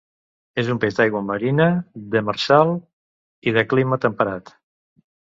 És un peix d'aigua marina, demersal i de clima temperat.